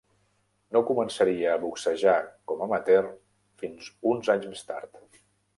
No començaria a boxejar com amateur fins uns anys més tard.